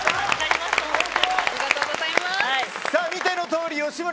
見てのとおり吉村